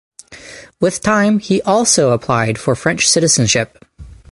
With time he also applied for French citizenship.